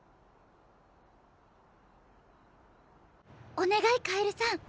お願いカエルさん